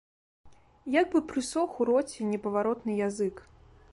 Як бы прысох у роце непаваротны язык.